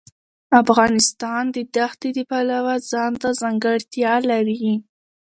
افغانستان د دښتې د پلوه ځانته ځانګړتیا لري.